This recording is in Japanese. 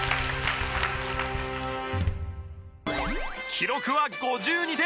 記録は５２点！